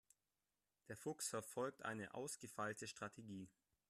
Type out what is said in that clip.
Der Fuchs verfolgt eine ausgefeilte Strategie.